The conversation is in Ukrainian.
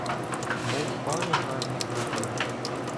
Мов пару гарних дубівок.